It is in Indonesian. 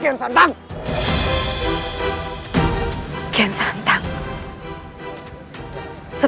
kau senjata traditional eigwandara